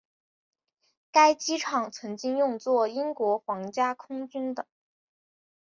该机场曾经用作英国皇家空军的。